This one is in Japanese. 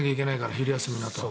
昼休みになると。